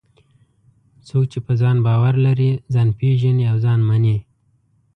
څوک چې په ځان باور لري، ځان پېژني او ځان مني.